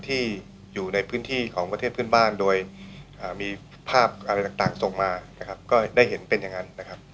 ที่อยู่ในพื้นที่ของประเทศเพื่อนบ้านโดยมีภาพอะไรต่างส่งมานะครับก็ได้เห็นเป็นอย่างนั้นนะครับ